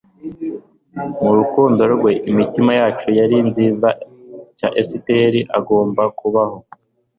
mu rukundo rwe imitima yacu yari nziza, esiteri wagombaga kubaho